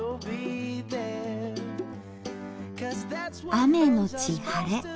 「雨のち晴」。